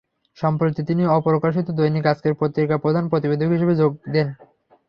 সম্প্রতি তিনি অপ্রকাশিত দৈনিক আজকের পত্রিকার প্রধান প্রতিবেদক হিসেবে যোগ দেন।